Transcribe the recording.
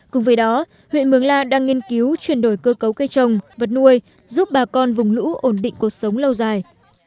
cùng với đó huyện mường la đang nghiên cứu chuyển đổi cơ cấu cây trồng vật nuôi giúp bà con vùng lũ ổn định cuộc sống lâu dài